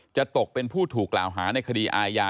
จะตกเป็นผู้ถูกกล่าวหาในคดีอาญา